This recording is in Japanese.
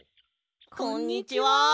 こんにちは。